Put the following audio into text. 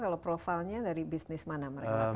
kalau profilnya dari bisnis mana mereka lakukan